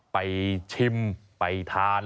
ไปชิมไปทาน